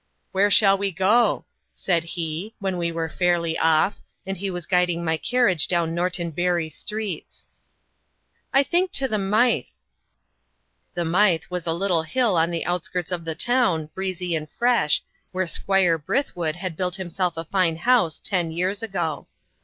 "Where shall we go?" said he, when we were fairly off, and he was guiding my carriage down Norton Bury streets. "I think to the Mythe." The Mythe was a little hill on the outskirts of the town, breezy and fresh, where Squire Brithwood had built himself a fine house ten years ago.